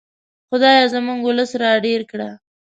خدایه زموږ ولس را ډېر کړه.